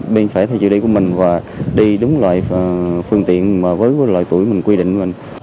bên phải theo chủ đề của mình và đi đúng loại phương tiện với loại tuổi mình quy định